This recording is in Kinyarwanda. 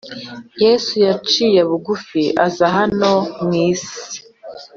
Yesu yaciye bugufi azaz hano mu isi